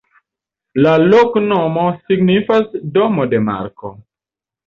La loknomo signifas: domo de Marko.